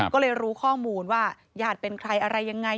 ก็เลยรู้ข้อมูลว่าญาติเป็นใครอะไรยังไง